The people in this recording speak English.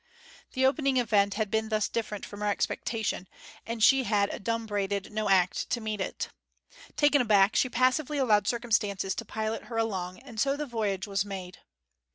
The opening event had been thus different from her expectation, and she had adumbrated no act to meet it. Taken aback she passively allowed circumstances to pilot her along; and so the voyage was made.